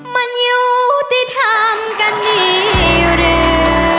มันอยู่ที่ทำกันดีหรือ